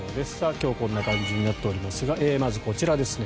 今日はこんな感じになっておりますがまず、こちらですね。